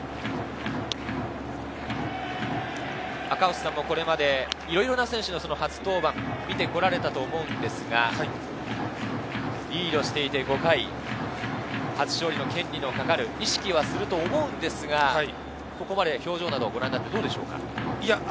赤星さんもこれまでいろいろな選手の初登板を見てこられたと思うんですが、リードしていて５回、初勝利の権利のかかる、意識はすると思うんですが、ここまで表情などどうでしょうか？